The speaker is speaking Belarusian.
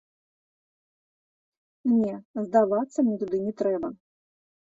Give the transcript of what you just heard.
Не, здавацца мне туды не трэба.